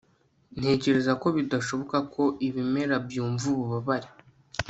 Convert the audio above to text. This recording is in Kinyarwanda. ntekereza ko bidashoboka ko ibimera byumva ububabare